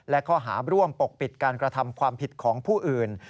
และข้อหาร่วมปกปิดการกระทำความผิดของผู้อื่น